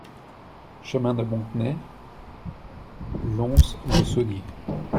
Chemin de Montenay, Lons-le-Saunier